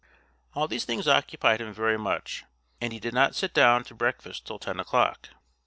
All these things occupied him very much, and he did not sit down to breakfast till ten o'clock.